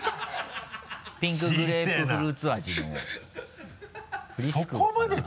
ピンクグレープフルーツ味の。